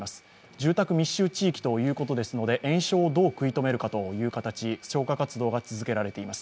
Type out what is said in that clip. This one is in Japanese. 住宅密集地域ということですので延焼をどう食い止めるかという形消火活動が続けられています。